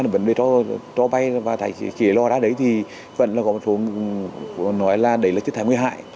vấn đề cho bay và chế lo đá đấy thì vẫn có một số nói là đấy là chất thải nguy hại